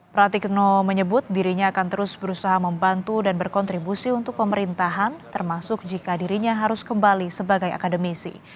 pratikno menyebut dirinya akan terus berusaha membantu dan berkontribusi untuk pemerintahan termasuk jika dirinya harus kembali sebagai akademisi